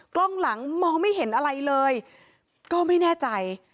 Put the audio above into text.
กล้องหลังมองไม่เห็นอะไรเลยก็ไม่แน่ใจ